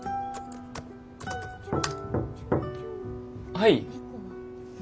はい。